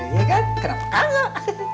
iya kan kenapa enggak